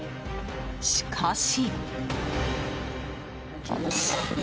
しかし。